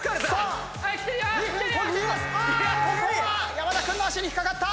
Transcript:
山田君の足に引っ掛かった。